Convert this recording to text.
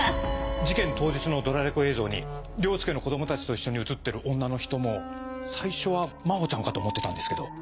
事件当日のドラレコ映像に凌介の子供たちと一緒に写ってる女の人も最初は真帆ちゃんかと思ってたんですけど。